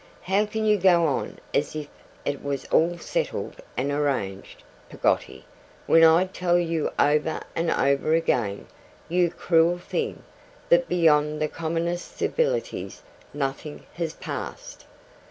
How can you go on as if it was all settled and arranged, Peggotty, when I tell you over and over again, you cruel thing, that beyond the commonest civilities nothing has passed!